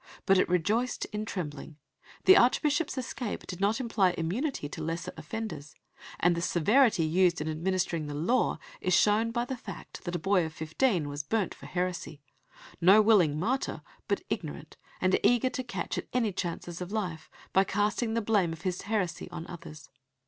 But it rejoiced in trembling. The Archbishop's escape did not imply immunity to lesser offenders, and the severity used in administering the law is shown by the fact that a boy of fifteen was burnt for heresy no willing martyr, but ignorant, and eager to catch at any chances of life, by casting the blame of his heresy on others.